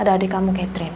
ada adik kamu catherine